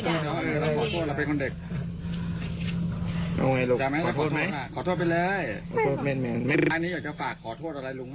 กูกลัวแล้ว